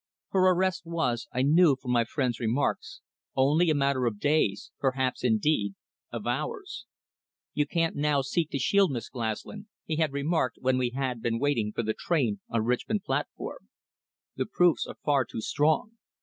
Her arrest was, I knew from my friend's remarks, only a matter of days, perhaps, indeed, of hours. "You can't now seek to shield Miss Glaslyn," he had remarked when we had been waiting for the train on Richmond platform. "The proofs are far too strong.